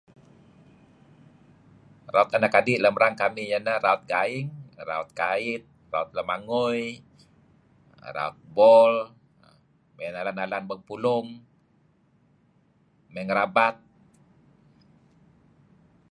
Kereb teh anak adi erang kamih raut gaing, raut lemangui, raut bol, may nalan-nalan bang pulung, may ngerabat.